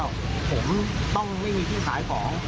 มันก็เลยกลายเป็นว่าเหมือนกับยกพวกมาตีกัน